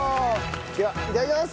ではいただきます！